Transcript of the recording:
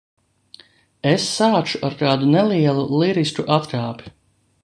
Es sākšu ar kādu nelielu lirisku atkāpi.